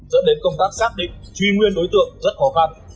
dẫn đến công tác xác định truy nguyên đối tượng rất khó khăn